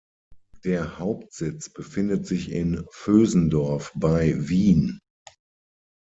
Der Hauptsitz befindet sich in Vösendorf bei Wien.